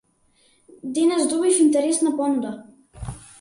Денес добив интересна понуда.